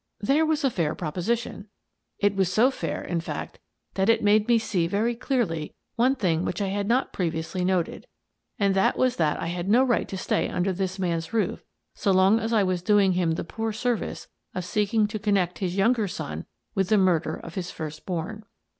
There was a fair proposition. It was so fair, in fact, that it made me see very clearly one thing which I had not previously noted, and that was that I had no right to stay under this man's roof so long as I was doing him the poor service of seeking to connect his younger son with the murder of his first born.